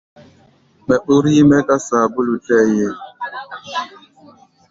Mɛ ɓúr yí-mɛ́ ká saapúlu tɛɛ́ ye.